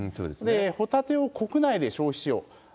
ホタテを国内で消費しよう。